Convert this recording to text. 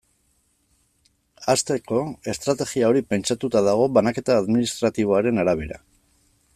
Hasteko, estrategia hori pentsatua dago banaketa administratiboaren arabera.